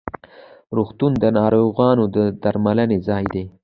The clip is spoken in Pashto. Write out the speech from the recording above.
روغتون د ناروغانو د درملنې ځای ده.